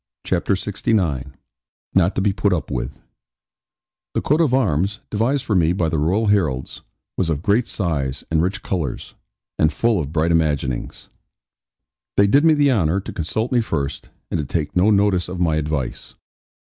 CHAPTER LXIX NOT TO BE PUT UP WITH The coat of arms, devised for me by the Royal heralds, was of great size, and rich colours, and full of bright imaginings. They did me the honour to consult me first, and to take no notice of my advice.